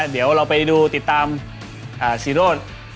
เดี๋ยวเราไปดูติดตามซีโรธ